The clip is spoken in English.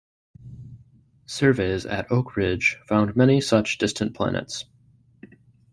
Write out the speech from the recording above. Surveys at Oak Ridge found many such distant planets.